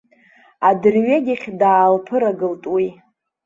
Адырҩегьых даалԥырагылт уи.